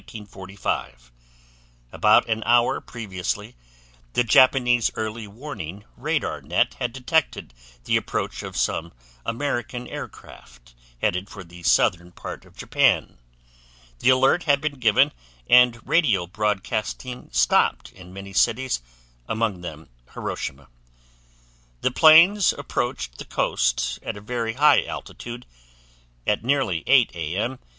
About an hour previously, the Japanese early warning radar net had detected the approach of some American aircraft headed for the southern part of Japan. The alert had been given and radio broadcasting stopped in many cities, among them Hiroshima. The planes approached the coast at a very high altitude. At nearly 8:00 A.M.